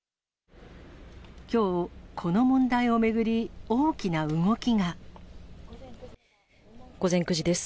きょう、この問題を巡り大き午前９時です。